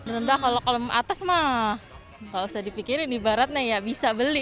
rendah kalau kolom atas tidak usah dipikirkan di barat bisa beli